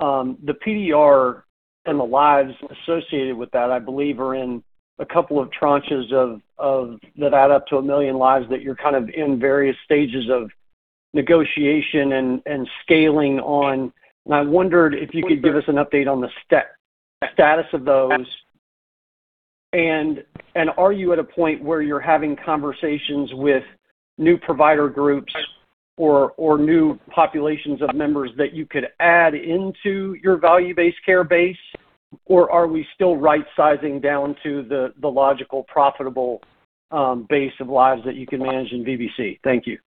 PDR and the lives associated with that, I believe are in a couple of tranches that add up to 1 million lives that you're in various stages of negotiation and scaling on. I wondered if you could give us an update on the status of those. Are you at a point where you're having conversations with new provider groups or new populations of members that you could add into your value-based care base? Or are we still right-sizing down to the logical, profitable base of lives that you can manage in VBC? Thank you.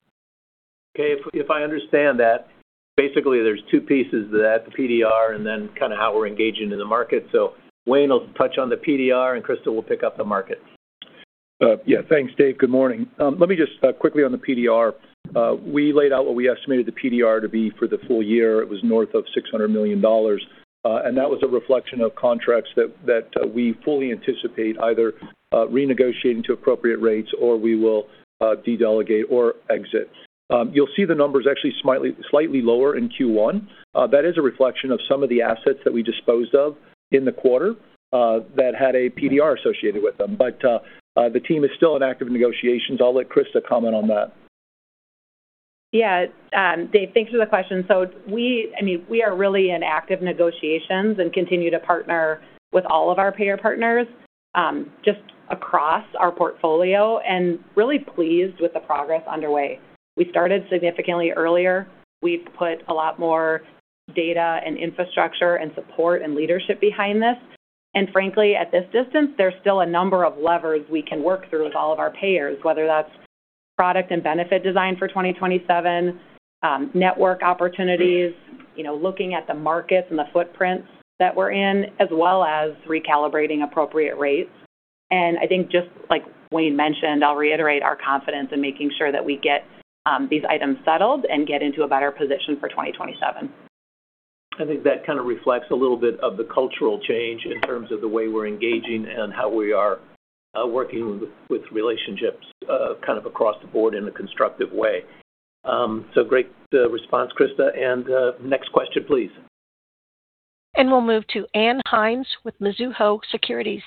Okay. If I understand that, basically, there's two pieces to that, the PDR and then how we're engaging in the market. Wayne will touch on the PDR, and Krista will pick up the market. Yeah, thanks, Dave. Good morning. Let me just quickly on the PDR. We laid out what we estimated the PDR to be for the full year. It was north of $600 million. That was a reflection of contracts that we fully anticipate either renegotiating to appropriate rates or we will de-delegate or exit. You'll see the numbers actually slightly lower in Q1. That is a reflection of some of the assets that we disposed of in the quarter that had a PDR associated with them. The team is still in active negotiations. I'll let Krista comment on that. Yeah. Dave, thanks for the question. We are really in active negotiations and continue to partner with all of our payer partners just across our portfolio and really pleased with the progress underway. We started significantly earlier. We've put a lot more data and infrastructure and support and leadership behind this. Frankly, at this distance, there's still a number of levers we can work through with all of our payers, whether that's product and benefit design for 2027, network opportunities, looking at the markets and the footprints that we're in, as well as recalibrating appropriate rates. I think just like Wayne mentioned, I'll reiterate our confidence in making sure that we get these items settled and get into a better position for 2027. I think that reflects a little bit of the cultural change in terms of the way we're engaging and how we are working with relationships across the Board in a constructive way. Great response, Krista. Next question, please. We'll move to Ann Hynes with Mizuho Securities.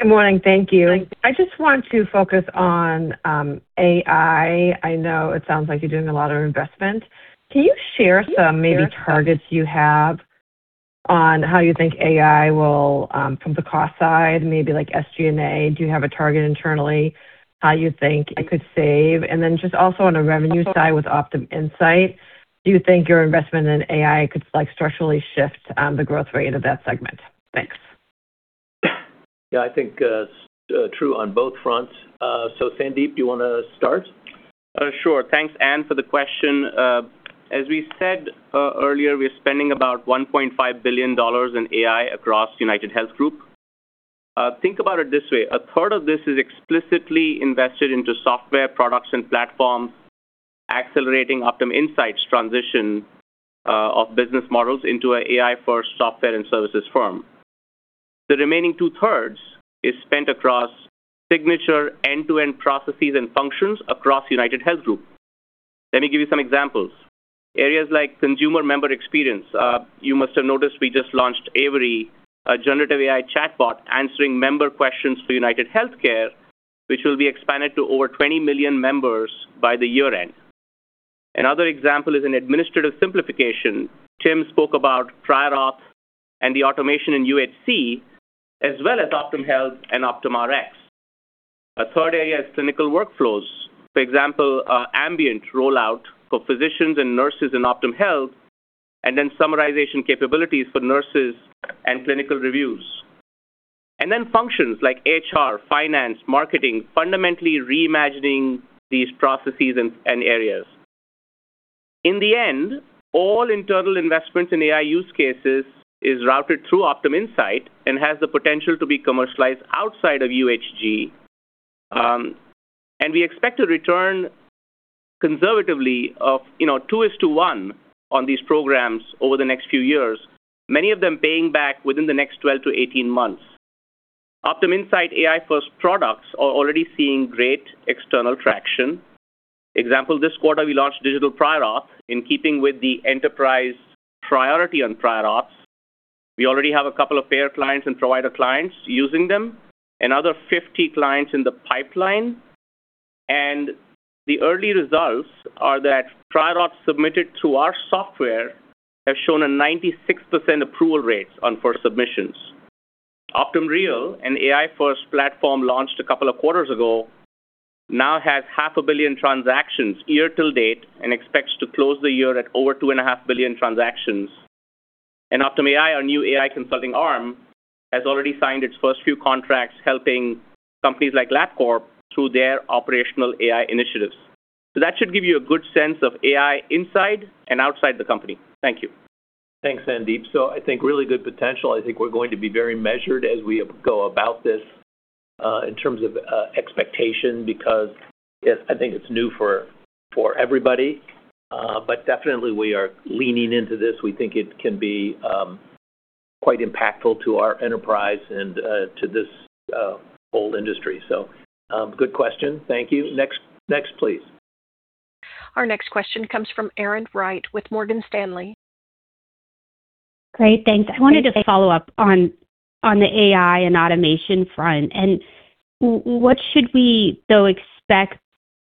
Good morning. Thank you, I just want to focus on AI. I know it sounds like you're doing a lot of investment. Can you share some maybe targets you have on how you think AI will, from the cost side, maybe like SG&A, do you have a target internally how you think it could save? Just also on the revenue side with Optum Insight, do you think your investment in AI could structurally shift the growth rate of that segment? Thanks. Yeah, I think true on both fronts. Sandeep, do you want to start? Sure. Thanks, Ann, for the question. As we said earlier, we're spending about $1.5 billion in AI across UnitedHealth Group. Think about it this way. A third of this is explicitly invested into software products and platforms, accelerating Optum Insight's transition of business models into an AI-first software and services firm. The remaining 2/3 is spent across signature end-to-end processes and functions across UnitedHealth Group. Let me give you some examples. Areas like consumer member experience. You must have noticed we just launched Avery, a generative AI chatbot, answering member questions for UnitedHealthcare, which will be expanded to over 20 million members by the year-end. Another example is an administrative simplification. Tim spoke about prior auth and the automation in UHC, as well as Optum Health and Optum Rx. A third area is clinical workflows, for example, Ambient rollout for physicians and nurses in Optum Health, and then summarization capabilities for nurses and clinical reviews. Then functions like HR, finance, marketing, fundamentally reimagining these processes and areas. In the end, all internal investments in AI use cases is routed through Optum Insight and has the potential to be commercialized outside of UHG. We expect a return conservatively of two to one on these programs over the next few years, many of them paying back within the next 12-18 months. Optum Insight AI-first products are already seeing great external traction. Example, this quarter we launched Digital Prior Auth in keeping with the enterprise priority on prior auth. We already have a couple of payer clients and provider clients using them and over 50 clients in the pipeline. The early results are that prior auth submitted through our software have shown a 96% approval rate on first submissions. Optum Real, an AI-first platform launched a couple of quarters ago, now has 500 million transactions year-to-date and expects to close the year at over 2.5 billion transactions. Optum AI, our new AI consulting arm, has already signed its first few contracts, helping companies like Labcorp through their operational AI initiatives. That should give you a good sense of AI inside and outside the company. Thank you. Thanks, Sandeep. I think really good potential. I think we're going to be very measured as we go about this in terms of expectation, because I think it's new for everybody. Definitely we are leaning into this. We think it can be quite impactful to our enterprise and to this whole industry. Good question, thank you. Next, please. Our next question comes from Erin Wright with Morgan Stanley. Great, thanks. I wanted to follow up on the AI and automation front. What should we, though, expect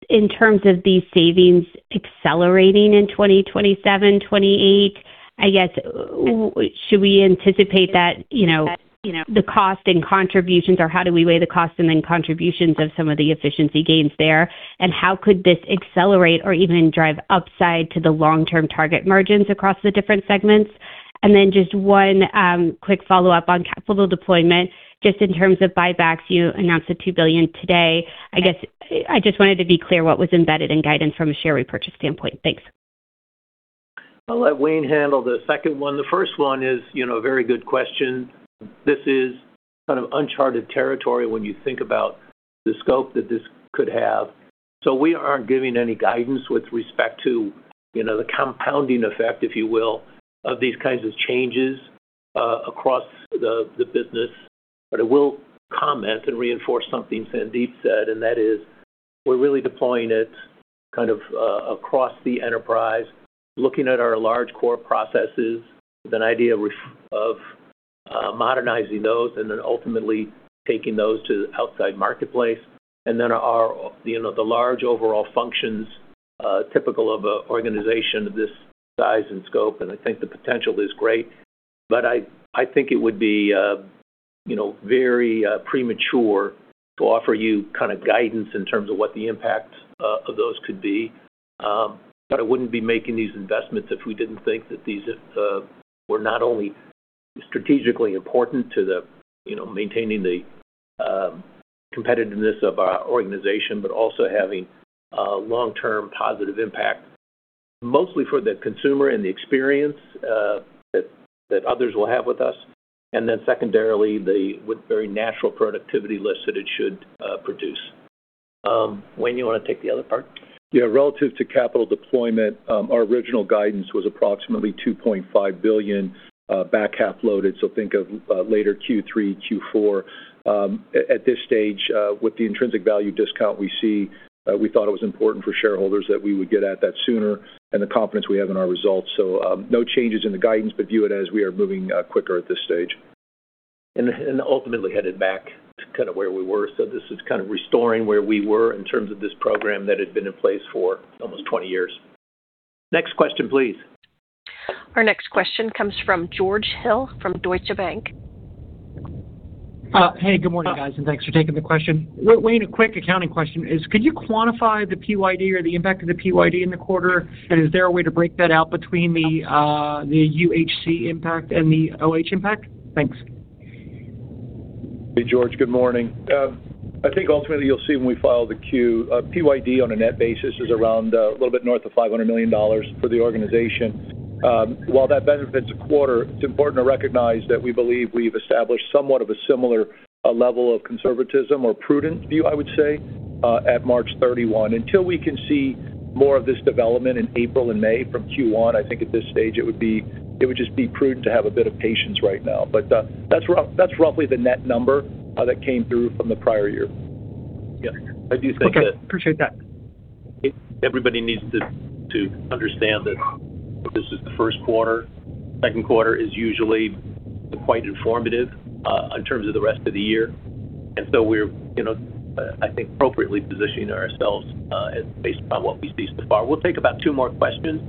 in terms of these savings accelerating in 2027, 2028? I guess, should we anticipate that the cost and contributions, or how do we weigh the cost and then contributions of some of the efficiency gains there? How could this accelerate or even drive upside to the long-term target margins across the different segments? Then just one quick follow-up on capital deployment. Just in terms of buybacks, you announced the $2 billion today. I just wanted to be clear what was embedded in guidance from a share repurchase standpoint. Thanks. I'll let Wayne handle the second one. The first one is a very good question. This is kind of uncharted territory when you think about the scope that this could have. We aren't giving any guidance with respect to the compounding effect, if you will, of these kinds of changes across the business. I will comment and reinforce something Sandeep said, and that is we're really deploying it kind of across the enterprise, looking at our large core processes with an idea of modernizing those and then ultimately taking those to the outside marketplace. Then the large overall functions typical of an organization of this size and scope, and I think the potential is great. I think it would be very premature to offer you guidance in terms of what the impact of those could be. I wouldn't be making these investments if we didn't think that these were not only strategically important to maintaining the competitiveness of our organization, but also having a long-term positive impact, mostly for the consumer and the experience that others will have with us, and then secondarily, the very natural productivity lift that it should produce. Wayne, you want to take the other part? Yeah, relative to capital deployment, our original guidance was approximately $2.5 billion back half loaded, so think of later Q3, Q4. At this stage, with the intrinsic value discount we see, we thought it was important for shareholders that we would get at that sooner and the confidence we have in our results. No changes in the guidance, but view it as we are moving quicker at this stage. Ultimately headed back to where we were. This is kind of restoring where we were in terms of this program that had been in place for almost 20 years. Next question, please. Our next question comes from George Hill from Deutsche Bank. Hey, good morning, guys, and thanks for taking the question. Wayne, a quick accounting question is, could you quantify the PYD or the impact of the PYD in the quarter? And is there a way to break that out between the UHC impact and the OH impact? Thanks. Hey, George. Good morning. I think ultimately you'll see when we file the quarter, PYD on a net basis is around a little bit north of $500 million for the organization. While that benefits a quarter, it's important to recognize that we believe we've established somewhat of a similar level of conservatism or prudent view, I would say, at March 31st. Until we can see more of this development in April and May from Q1, I think at this stage it would just be prudent to have a bit of patience right now. That's roughly the net number that came through from the prior year. Yes. I do think that. Okay, appreciate that. Everybody needs to understand that this is the first quarter. Second quarter is usually quite informative in terms of the rest of the year. We're, I think, appropriately positioning ourselves based upon what we see so far. We'll take about two more questions,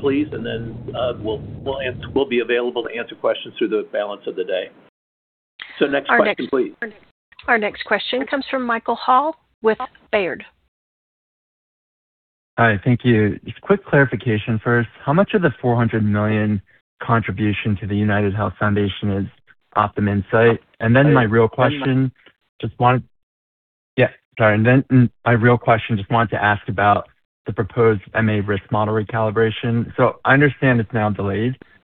please, and then we'll be available to answer questions through the balance of the day. Next question, please. Our next question comes from Michael Ha with Baird. Hi, thank you. Just quick clarification first. How much of the $400 million contribution to the United Health Foundation is Optum Insight? My real question, just wanted to ask about the proposed MA risk model recalibration. I understand it's now delayed,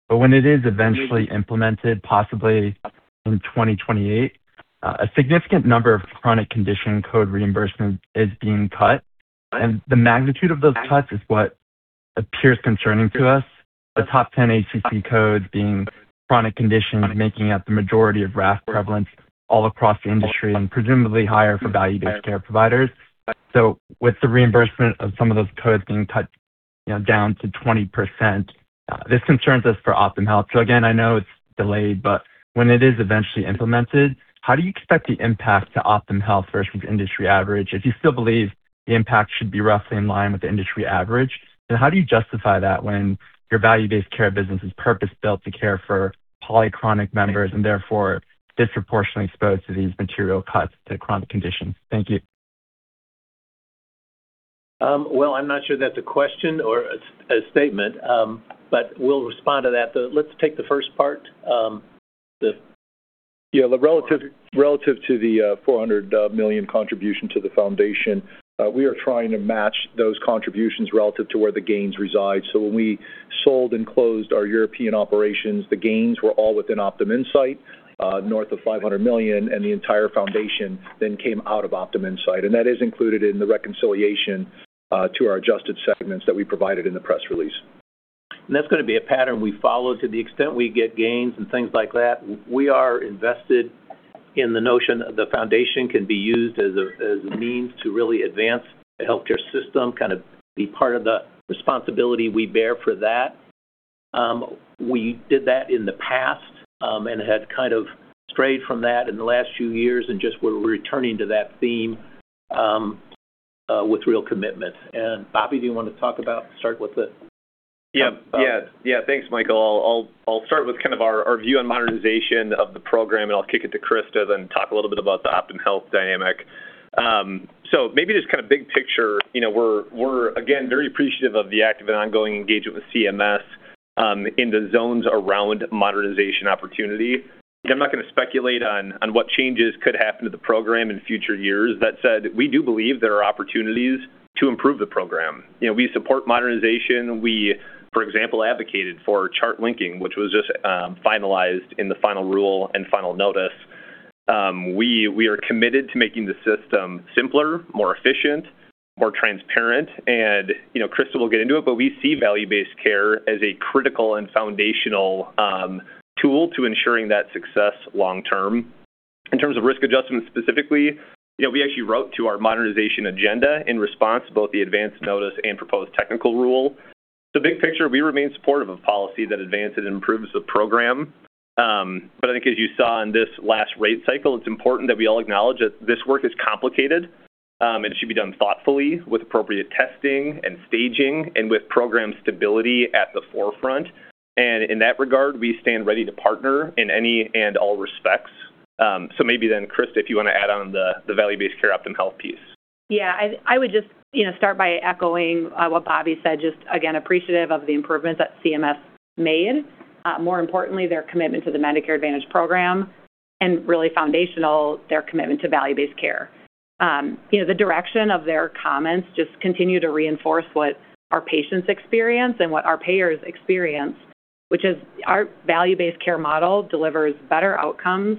but when it is eventually implemented, possibly in 2028, a significant number of chronic condition code reimbursement is being cut, and the magnitude of those cuts is what appears concerning to us, the top 10 HCC codes being chronic conditions making up the majority of RAF prevalence all across the industry and presumably higher for value-based care providers. With the reimbursement of some of those codes being cut down to 20%, this concerns us for Optum Health. Again, I know it's delayed, but when it is eventually implemented, how do you expect the impact to Optum Health versus industry average? If you still believe the impact should be roughly in line with the industry average, then how do you justify that when your value-based care business is purpose-built to care for polychronic members and therefore disproportionately exposed to these material cuts to chronic conditions? Thank you. Well, I'm not sure that's a question or a statement, but we'll respond to that. Let's take the first part. Yeah. Relative to the $400 million contribution to the foundation, we are trying to match those contributions relative to where the gains reside. When we sold and closed our European operations, the gains were all within Optum Insight, north of $500 million, and the entire foundation then came out of Optum Insight. That is included in the reconciliation to our adjusted segments that we provided in the press release. That's going to be a pattern we follow to the extent we get gains and things like that. We are invested in the notion the foundation can be used as a means to really advance the healthcare system, kind of be part of the responsibility we bear for that. We did that in the past, and had kind of strayed from that in the last few years and just we're returning to that theme with real commitment. Bobby, do you want to talk about, start with the- Yeah. Thanks, Michael. I'll start with kind of our view on modernization of the program, and I'll kick it to Krista, then talk a little bit about the Optum Health dynamic. Maybe just kind of big picture, we're again, very appreciative of the active and ongoing engagement with CMS, in the zones around modernization opportunity. I'm not going to speculate on what changes could happen to the program in future years. That said, we do believe there are opportunities to improve the program. We support modernization. We, for example, advocated for chart linking, which was just finalized in the final rule and final notice. We are committed to making the system simpler, more efficient, more transparent, and Krista will get into it, but we see value-based care as a critical and foundational tool to ensuring that success long term. In terms of risk adjustment, specifically, we actually wrote to our modernization agenda in response to both the advance notice and proposed technical rule. The big picture, we remain supportive of policy that advances and improves the program. I think as you saw in this last rate cycle, it's important that we all acknowledge that this work is complicated, and it should be done thoughtfully with appropriate testing and staging and with program stability at the forefront. In that regard, we stand ready to partner in any and all respects. Maybe then, Krista, if you want to add on the value-based care Optum Health piece. Yeah. I would just start by echoing what Bobby said, just again, appreciative of the improvements that CMS made. More importantly, their commitment to the Medicare Advantage program and really foundational, their commitment to value-based care. The direction of their comments just continue to reinforce what our patients experience and what our payers experience, which is our value-based care model delivers better outcomes,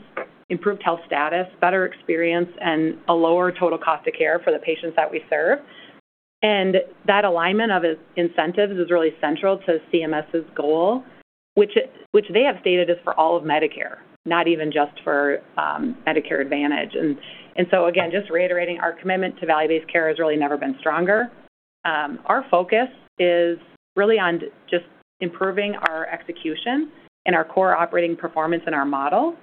improved health status, better experience, and a lower total cost of care for the patients that we serve. That alignment of incentives is really central to CMS's goal, which they have stated is for all of Medicare, not even just for Medicare Advantage. Again, just reiterating, our commitment to value-based care has really never been stronger. Our focus is really on just improving our execution and our core operating performance in our model,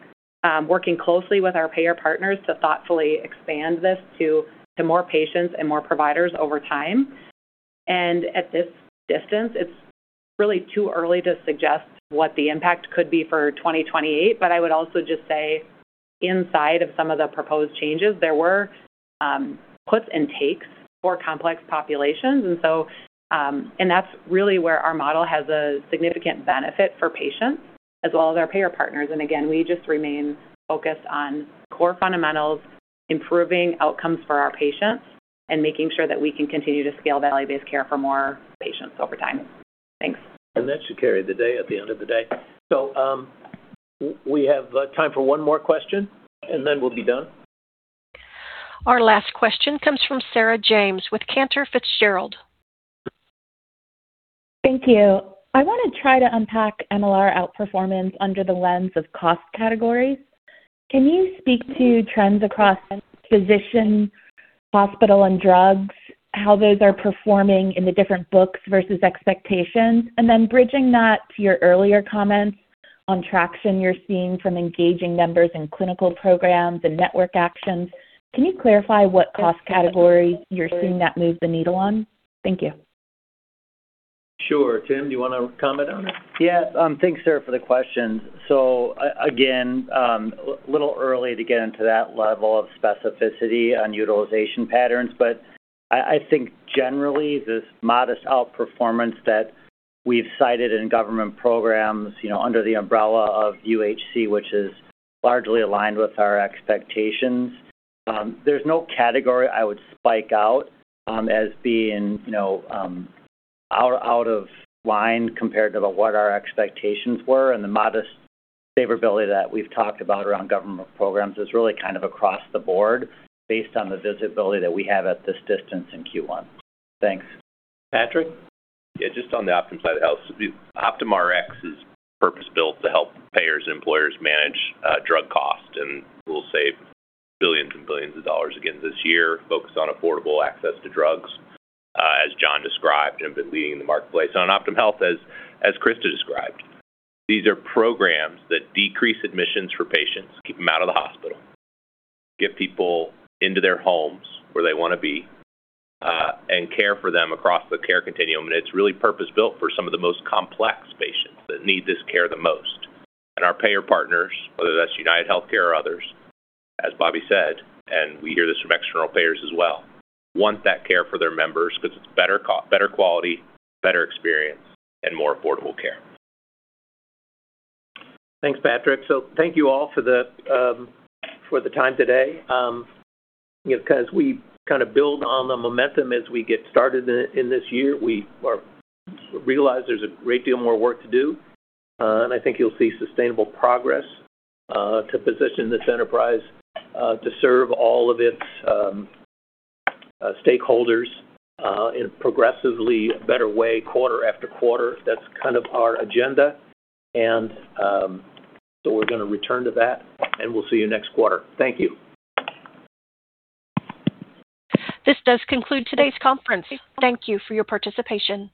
working closely with our payer partners to thoughtfully expand this to more patients and more providers over time. At this distance, it's really too early to suggest what the impact could be for 2028. I would also just say inside of some of the proposed changes, there were puts and takes for complex populations. That's really where our model has a significant benefit for patients as well as our payer partners. Again, we just remain focused on core fundamentals, improving outcomes for our patients, and making sure that we can continue to scale value-based care for more patients over time. Thanks. That should carry the day at the end of the day. We have time for one more question, and then we'll be done. Our last question comes from Sarah James with Cantor Fitzgerald. Thank you. I want to try to unpack MLR outperformance under the lens of cost categories. Can you speak to trends across physician, hospital, and drugs, how those are performing in the different books versus expectations? Bridging that to your earlier comments on traction you're seeing from engaging members in clinical programs and network actions, can you clarify what cost category you're seeing that move the needle on? Thank you. Sure. Tim, do you want to comment on that? Yeah. Thanks, Sarah, for the question. Again, it's a little early to get into that level of specificity on utilization patterns. I think generally, this modest outperformance that we've cited in government programs under the umbrella of UHC, which is largely aligned with our expectations. There's no category I would single out as being out of line compared to what our expectations were, and the modest favorability that we've talked about around government programs is really kind of across the Board based on the visibility that we have at this distance in Q1. Thanks. Patrick? Yeah, just on the Optum side of the house. Optum Rx is purpose-built to help payers and employers manage drug costs, and we'll save billions and billions of dollars again this year focused on affordable access to drugs, as John described, and we've been leading the marketplace. On Optum Health, as Krista described, these are programs that decrease admissions for patients, keep them out of the hospital, get people into their homes where they want to be, and care for them across the care continuum. It's really purpose-built for some of the most complex patients that need this care the most. Our payer partners, whether that's UnitedHealthcare or others, as Bobby said, and we hear this from external payers as well, want that care for their members because it's better quality, better experience, and more affordable care. Thanks, Patrick. Thank you all for the time today. Because we kind of build on the momentum as we get started in this year, we realize there's a great deal more work to do. I think you'll see sustainable progress to position this enterprise to serve all of its stakeholders in progressively better way, quarter after quarter. That's kind of our agenda. We're going to return to that, and we'll see you next quarter. Thank you. This does conclude today's conference. Thank you for your participation.